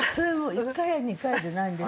１回や２回じゃないんですよ。